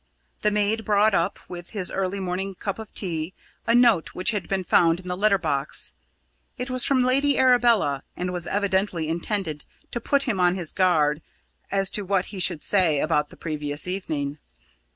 The maid brought up, with his early morning cup of tea, a note which had been found in the letter box. It was from Lady Arabella, and was evidently intended to put him on his guard as to what he should say about the previous evening.